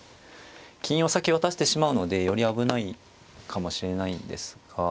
金を先渡してしまうのでより危ないかもしれないんですが。